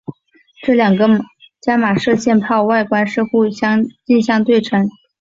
这两个伽玛射线泡外观是互相镜像对称。